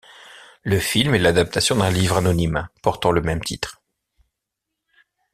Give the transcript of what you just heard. Le film est l'adaptation d'un livre anonyme portant le même titre.